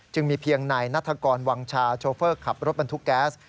จึงมีเพียงนายนัฐกรวังชาโชเฟอร์ขับรถบรรทุกแก๊ส